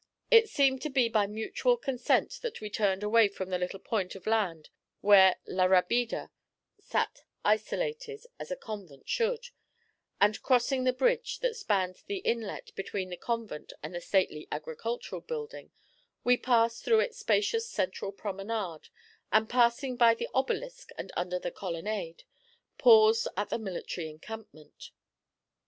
It seemed to be by mutual consent that we turned away from the little point of land where La Rabida sat isolated, as a convent should; and, crossing the bridge that spanned the inlet between the convent and the stately Agricultural Building, we passed through its spacious central promenade and, passing by the Obelisk and under the Colonnade, paused at the military encampment.